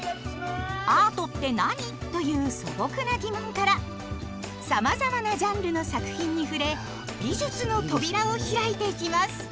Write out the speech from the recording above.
「アートって何？」という素朴な疑問からさまざまなジャンルの作品に触れ美術の扉を開いていきます。